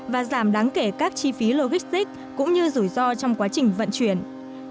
và giảm đáng kể các chi phí logistic cũng như rủi ro trong quá trình diễn tả